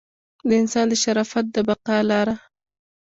د انسان د شرافت د بقا لاره.